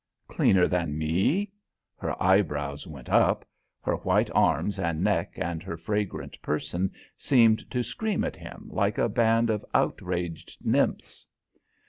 "Cleaner than me?" her eyebrows went up, her white arms and neck and her fragrant person seemed to scream at him like a band of outraged nymphs.